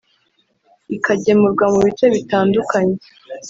ikagemurwa mu bice bitandukanye